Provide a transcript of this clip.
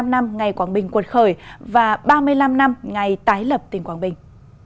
bảy mươi năm năm ngày quảng bình cuột khởi và ba mươi năm năm ngày tái lập tỉnh quảng bình